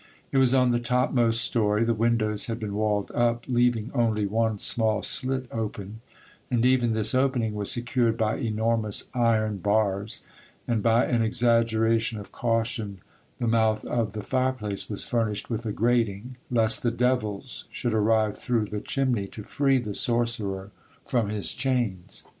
It was on the topmost story; the windows had been walled up, leaving only one small slit open, and even this opening was secured by enormous iron bars; and by an exaggeration of caution the mouth of the fireplace was furnished with a grating, lest the devils should arrive through the chimney to free the sorcerer from his chains.